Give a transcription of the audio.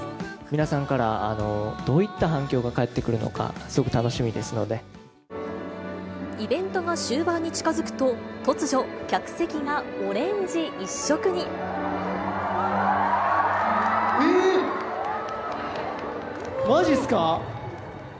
皆さんからどういった反響が返ってくるのか、すごく楽しみでイベントが終盤に近づくと、突如、えー！まじっすか？